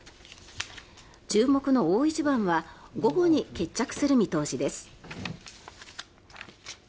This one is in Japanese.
注目の大一番は午後に決着する見通しです。